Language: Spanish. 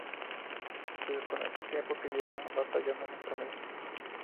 Se desconoce el tiempo que lleva batallando la enfermedad.